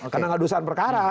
karena nggak ada usaha perkara